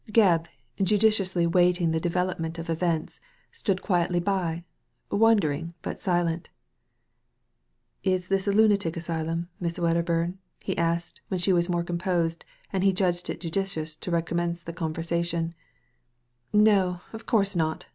Gcbb, Digitized by Google iia THE LADY FROM NOWHERE judiciously waiting the development of events, stood quietly by, wondering, but silent Is this a lunatic asylum, Miss Wedderburn ?he asked when she was more composed, and he judged it judicious to recommence the conversation. "No, of course not!'